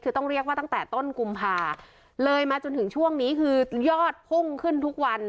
คือต้องเรียกว่าตั้งแต่ต้นกุมภาเลยมาจนถึงช่วงนี้คือยอดพุ่งขึ้นทุกวัน